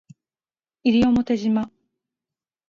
西表島